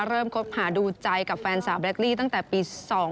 เริ่มค้นหาดูใจกับแฟนสาวแบล็กลี่ตั้งแต่ปี๒๐๐๙